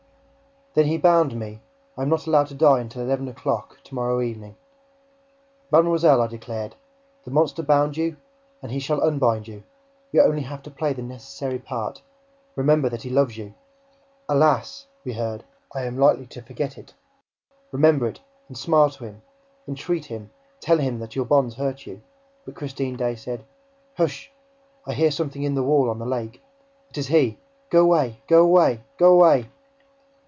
"Then he bound me ... I am not allowed to die until eleven o'clock to morrow evening." "Mademoiselle," I declared, "the monster bound you ... and he shall unbind you. You have only to play the necessary part! Remember that he loves you!" "Alas!" we heard. "Am I likely to forget it!" "Remember it and smile to him ... entreat him ... tell him that your bonds hurt you." But Christine Daae said: "Hush! ... I hear something in the wall on the lake! ... It is he! ... Go away! Go away! Go away!"